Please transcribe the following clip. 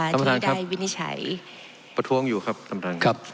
ท่านประธานได้วินิจฉัยประท้วงอยู่ครับท่านประธานครับ